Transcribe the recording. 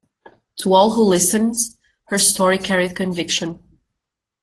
To all who listened, her story carried conviction.